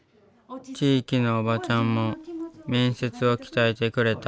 地域のおばちゃんも面接を鍛えてくれた。